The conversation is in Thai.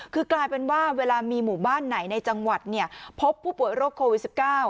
คือกลายเป็นว่าเวลามีหมู่บ้านไหนในจังหวัดพบผู้ป่วยโรคโควิด๑๙